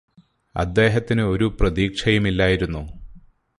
അദ്ദേഹത്തിന് ഒരു പ്രതീക്ഷയുമില്ലായിരുന്നോ